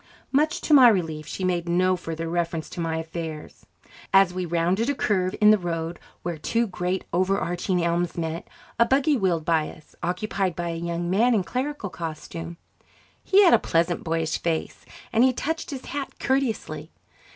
Much to my relief, she made no further reference to my affairs. As we rounded a curve in the road where two great over arching elms met, a buggy wheeled by us, occupied by a young man in clerical costume. He had a pleasant boyish face, and he touched his hat courteously.